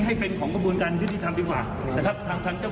ให้เป็นของกระบวนการยุติธรรมดีกว่าแต่ครับ